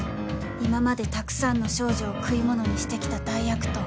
今までたくさんの少女を食い物にして来た大悪党